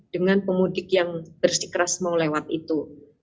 dengan pemudik yang bersikeras mau lewat itu